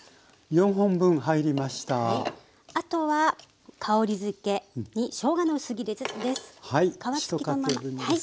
あとは香りづけにしょうがの薄切りです。